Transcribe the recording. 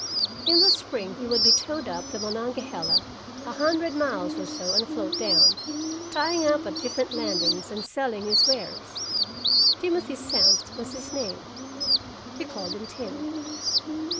In the spring he would be towed up the Monongahela a hundred miles or so and float down, tying up at different landings and selling his wares. Timothy Senft was his name. We called him Tim.